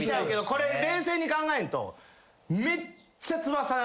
これ冷静に考えんと。